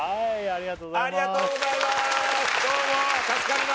ありがとうございます